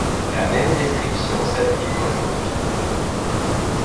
La même description s'applique aujourd'hui.